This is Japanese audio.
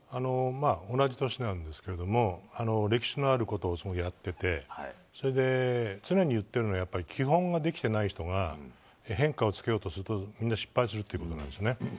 同い年ですが歴史のあることをやってて常に言ってるのは基本ができていない人が変化をつけようとすると失敗するというんですね。